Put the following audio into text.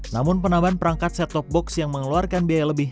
namun penambahan perangkat set top box yang mengeluarkan biaya lebih